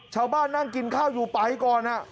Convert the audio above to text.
เช้าบ้านนั่งกินข้าวอยู่ป้ายก่อนนะ